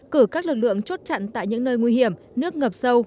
cử các lực lượng chốt chặn tại những nơi nguy hiểm nước ngập sâu